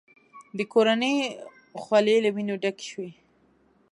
د کورنۍ خولې له وینو ډکې شوې.